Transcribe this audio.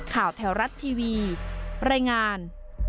ข่าวแถวรัฐทีวีรายงาน